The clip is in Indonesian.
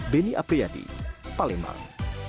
beni apriyadi palembang